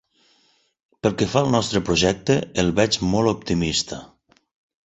Pel que fa al nostre projecte, el veig molt optimista.